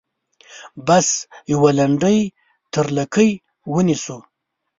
بس یوه لنډۍ تر لکۍ ونیسو.